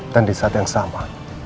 dan disaat yang sama